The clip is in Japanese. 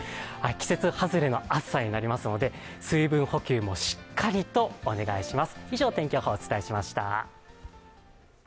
季節外れの暑さになりますので水分補給もしっかりとお願いします。